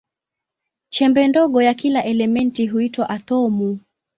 Chembe ndogo ya kila elementi huitwa atomu.